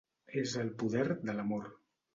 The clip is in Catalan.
És el poder de l'amor.